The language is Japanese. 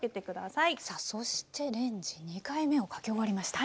さあそしてレンジ２回目をかけ終わりました。